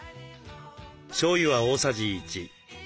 しょうゆは大さじ１。